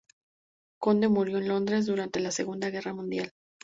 Conde murió en Londres durante la Segunda Guerra Mundial.